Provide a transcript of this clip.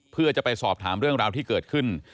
เพื่อจะไปสอบถามเรื่องราวที่เกิดขึ้น